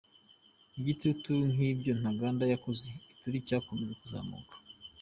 Igitutu cy’ibyo Ntaganda yakoze Ituri cyakomeje kuzamuka.